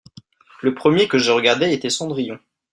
Le premier que j'ai regardé était Cendrillon.